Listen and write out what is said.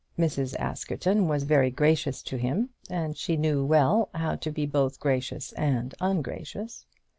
Mrs. Askerton was very gracious to him, and she knew well how to be both gracious and ungracious.